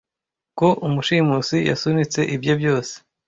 ko umushimusi yasunitse ibye byose